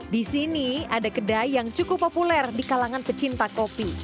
di sini ada kedai yang cukup populer di kalangan pecinta kopi